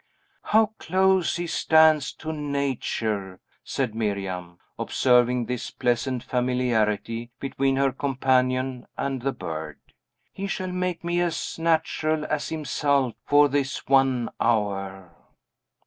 "How close he stands to nature!" said Miriam, observing this pleasant familiarity between her companion and the bird. "He shall make me as natural as himself for this one hour."